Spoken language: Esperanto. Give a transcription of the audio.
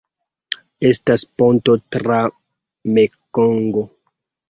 Estas ponto tra Mekongo.